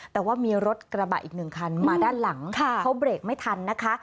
แต่ว่ามีรถกระบะอีกหนึ่งคันมาด้านหลังเขาเบรกไม่ทันนะคะ